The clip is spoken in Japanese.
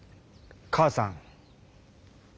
お母さん？